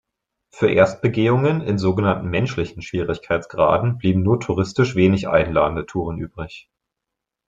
Für Erstbegehungen in sogenannten „menschlichen“ Schwierigkeitsgraden blieben nur touristisch wenig einladende Touren übrig.